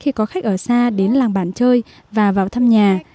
khi có khách ở xa đến làng bạn chơi vào vào thăm nhà